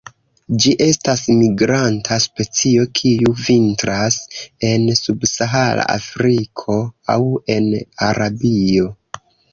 Ĝi estas migranta specio, kiu vintras en subsahara Afriko aŭ en Arabio.